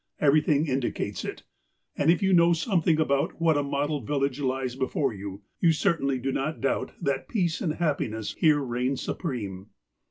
Everything indicates it. And if you know something about what a model village lies before you, you certainly do not doubt that peace and happiness here reign supreme.